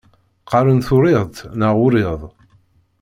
Qqaṛen turiḍt neɣ uriḍ.